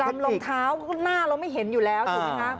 จำรองเท้าก็หน้าเราไม่เห็นอยู่แล้วใช่ไหมครับ